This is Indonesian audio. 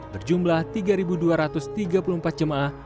berjumlah tiga dua ratus tiga puluh empat jemaah